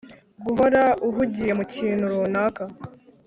guhora uhugiye mu kintu runaka